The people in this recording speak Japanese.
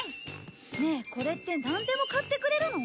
ねえこれってなんでも買ってくれるの？